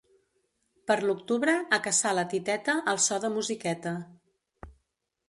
Per l'octubre a caçar la titeta al so de musiqueta.